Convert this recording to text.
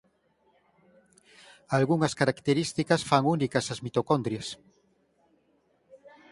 Algunhas características fan únicas ás mitocondrias.